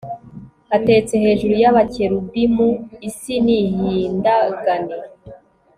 atetse hejuru y'abakerubimu, isi nihindagane